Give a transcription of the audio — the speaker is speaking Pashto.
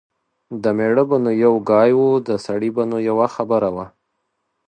د مېړه به نو یو ګای و . د سړي به نو یوه خبره وه